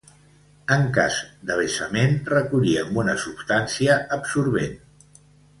En cas de vessament recollir amb una substància absorbent.